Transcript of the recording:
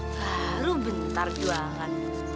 baru bentar jualan